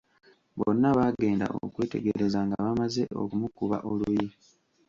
Bonna baagenda okwetegereza nga bamaze okumukuba oluyi.